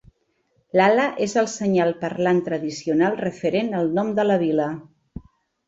L'ala és el senyal parlant tradicional referent al nom de la vila.